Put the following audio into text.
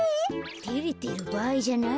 てれてるばあいじゃないよ。